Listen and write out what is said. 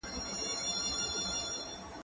کېدای سي پاکوالي ګډ وي؟